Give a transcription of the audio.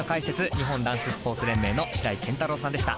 日本ダンススポーツ連盟の白井健太朗さんでした。